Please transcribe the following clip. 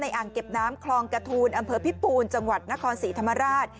อ่างเก็บน้ำคลองกระทูลอำเภอพิปูนจังหวัดนครศรีธรรมราช